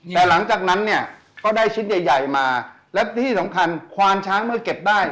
แต่หลังจากนั้นเนี่ยก็ได้ชิ้นใหญ่ใหญ่มาและที่สำคัญควานช้างเมื่อเก็บได้